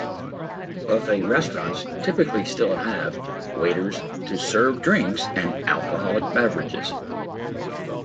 Buffet restaurants typically still have waiters to serve drinks and alcoholic beverages.